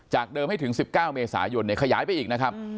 เดิมให้ถึง๑๙เมษายนขยายไปอีกนะครับ